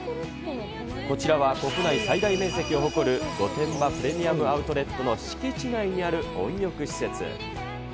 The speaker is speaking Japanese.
こちらは国内最大面積を誇る御殿場プレミアム・アウトレットの敷地内にある温浴施設。